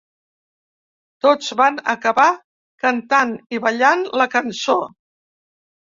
Tots van acabar cantant i ballant la cançó.